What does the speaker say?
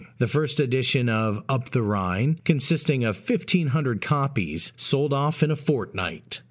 The first edition of Up the Rhine, consisting of 1500 copies, sold off In a fortnight.